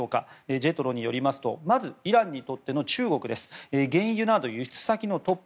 ＪＥＴＲＯによりますとまず、イランにとっての中国は原油などの輸出先トップ。